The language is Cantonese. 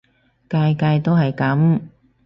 屆屆都係噉